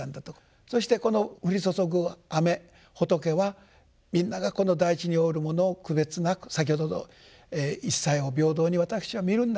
そしてこの降り注ぐ雨仏はみんながこの大地に生うるものを区別なく先ほどの一切を平等に私は見るんだと。